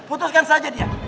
putuskan saja dia